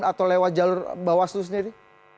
atau lewat jalur bawaslu sendiri